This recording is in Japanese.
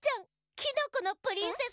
「キノコのプリンセス」！